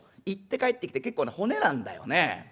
行って帰ってきて結構な骨なんだよね。